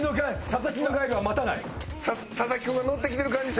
佐々木君がノッてきてる感じ。